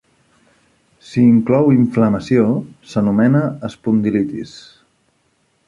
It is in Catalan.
Si inclou inflamació, s'anomena espondilitis.